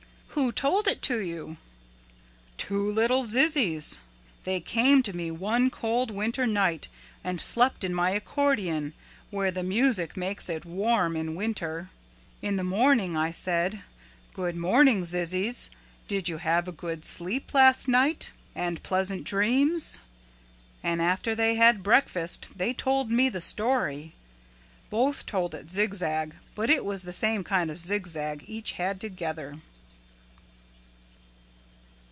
"Who told it to you?" "Two little zizzies. They came to me one cold winter night and slept in my accordion where the music keeps it warm in winter. In the morning I said, 'Good morning, zizzies, did you have a good sleep last night and pleasant dreams?' And after they had breakfast they told me the story. Both told it zigzag but it was the same kind of zigzag each had together."